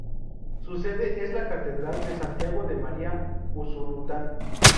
Su sede es la Catedral de Santiago de María, Usulután.